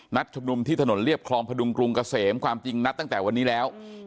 ชุมนุมที่ถนนเรียบคลองพดุงกรุงเกษมความจริงนัดตั้งแต่วันนี้แล้ว